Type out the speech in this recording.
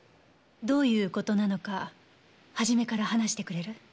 どういう事なのか初めから話してくれる？